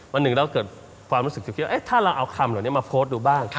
วันหนึ่งเราเกิดความรู้สึกจะคิดว่าถ้าเราเอาคำเหล่านี้มาโพสต์ดูบ้าง